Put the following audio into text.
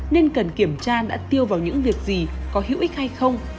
nên cần kiểm tra đã tiêu vào những việc gì có hữu ích hay không